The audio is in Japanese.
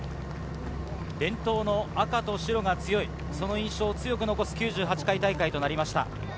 伝統の赤と白が強いその印象を強く残す９８回大会となりました。